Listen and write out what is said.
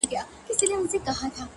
هره ناکامي د نوي پیل پیغام دی